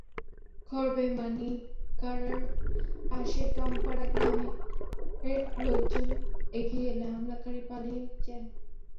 খবর পেয়ে মানিকাড়ার পাশের টংপাড়া গ্রামের লোকজন এগিয়ে এলে হামলাকারীরা পালিয়ে যায়।